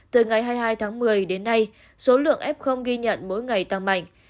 từ ngày hai mươi hai tháng một mươi đến nay số lượng f ghi nhận mỗi ngày tăng mạnh